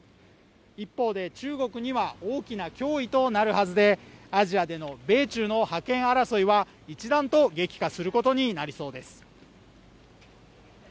一方で、中国には大きな脅威となるはずでアジアでの米中の覇権争いは一段と激化することになりそうです。